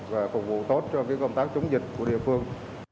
và phục vụ tốt cho công tác chống dịch của địa phương